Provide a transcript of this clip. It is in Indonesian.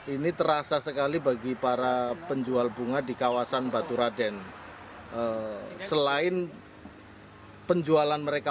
ini terasa sekali bagi para penjual bunga di kawasan baturaden selain penjualan mereka